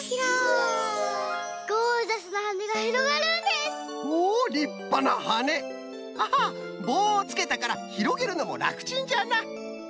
アハッぼうをつけたからひろげるのもらくちんじゃな。